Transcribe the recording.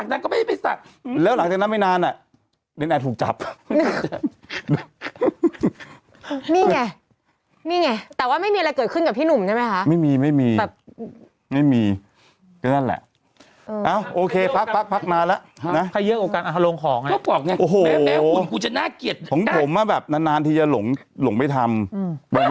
อุ๊ยดาวนั้นไม่ช่ายห้างอีนุ่มเอาดังนี้เขาเป็นนักข่าวที่ดุด้านโดยสุดคุณจะสั่งตาขาวแล้ว